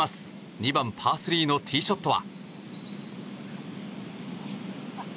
２番、パー３のティーショットは。